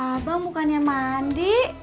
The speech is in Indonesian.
abang bukannya mandi